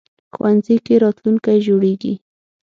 ښوونځی کې راتلونکی جوړېږي